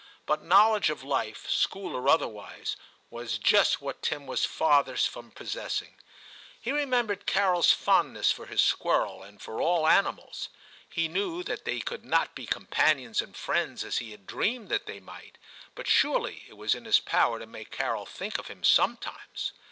But knowledge of life, school or otherwise, was just what Tim was farthest from possessing. He remembered Carol's fondness for his squirrel and for all animals ; he knew that they could not be companions and friends as he had dreamed that they might, but surely it was in his power to make Carol think of him sometimes.